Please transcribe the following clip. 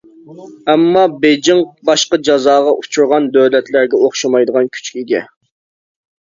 ئەمما بېيجىڭ باشقا جازاغا ئۇچۇرغان دۆلەتلەرگە ئوخشىمايدىغان كۈچكە ئىگە.